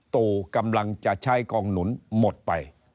ตู่กำลังจะใช้กองหนุนหมดไป